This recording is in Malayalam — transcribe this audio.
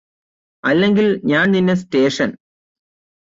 അല്ലെങ്കില് ഞാന് നിന്നെ സ്റ്റേഷന്